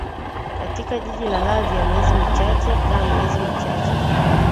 katika jiji la lavyia miezi michache ka miezi michache